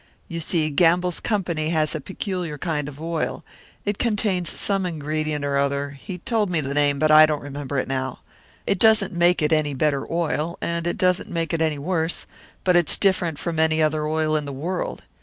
You see, Gamble's company has a peculiar kind of oil; it contains some ingredient or other he told me the name, but I don't remember it now. It doesn't make it any better oil, and it doesn't make it any worse; but it's different from any other oil in the world.